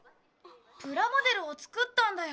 プラモデルを作ったんだよ。